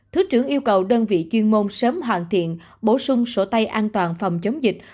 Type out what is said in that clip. thứ trưởng yêu cầu đơn vị chuyên môn sớm hoàn thiện bổ sung sổ tay an toàn phòng chống dịch